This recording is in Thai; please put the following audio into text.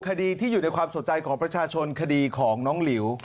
คดีที่อยู่ในความสนใจของประชาชนคดีของน้องหลิว